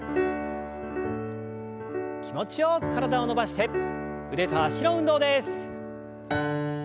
気持ちよく体を伸ばして腕と脚の運動です。